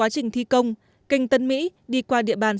sau nhiều lần tích cực vận động